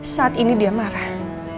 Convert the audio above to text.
saat ini dia marah